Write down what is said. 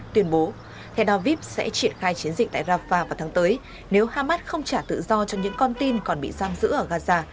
tuyên bố hedaviv sẽ triển khai chiến dịch tại rafah vào tháng tới nếu hamas không trả tự do cho những con tin còn bị giam giữ ở gaza